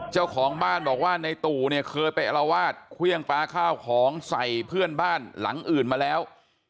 เจ้าของบ้านบอกว่าในตู่เนี่ยเคยไปอลวาดเครื่องปลาข้าวของใส่เพื่อนบ้านหลังอื่นมาแล้ว